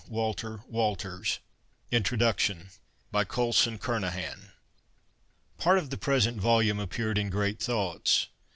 FAREWELL 137 INTRODUCTION BY COULSON KERNAHAN Part of the present volume appeared in Great Thoughts.